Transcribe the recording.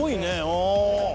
ああ。